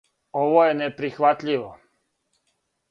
Ово је неприхватљиво.